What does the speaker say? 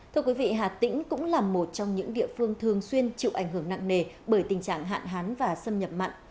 thưa quý vị hà tĩnh cũng là một trong những địa phương thường xuyên chịu ảnh hưởng nặng nề bởi tình trạng hạn hán và xâm nhập mặn